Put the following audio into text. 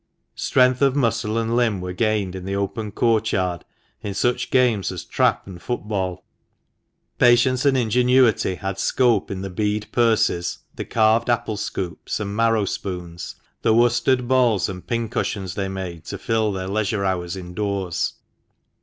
Strength of muscle and limb were gained in the open courtyard in such games as trap and football ; patience and ingenuity had scope in the bead purses, the carved apple scoops and marrow spoons, the worsted balls and pincushions they made to fill their leisure hours indoors.